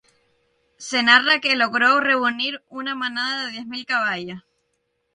Se narra que logró reunir una manada de diez mil caballos.